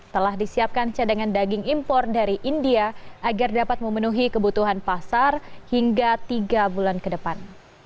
telah disiapkan cadangan daging impor dari india agar dapat memenuhi kebutuhan pasar hingga tiga bulan ke depan